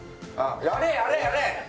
やれやれやれ！